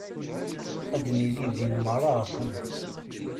Ad nili din merra ɣer tama-k.